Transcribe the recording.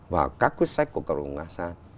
vào các quyết sách của cộng đồng của asean